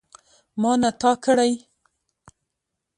ما نه تا کړی.